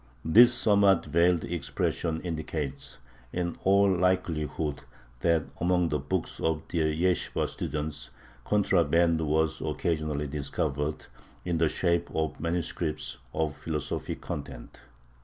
This somewhat veiled expression indicates, in all likelihood, that among the books of the yeshibah students "contraband" was occasionally discovered, in the shape of manuscripts of philosophic content.